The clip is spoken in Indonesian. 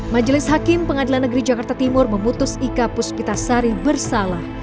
majelis hakim pengadilan negeri jakarta timur memutus ika puspitasari bersalah